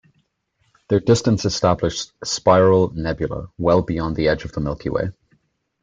Their distance established spiral nebulae well beyond the edge of the Milky Way.